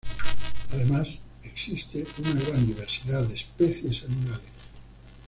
Además, existe una gran diversidad de especies animales.